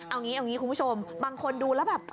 เอางี้เอางี้คุณผู้ชมบางคนดูแล้วแบบ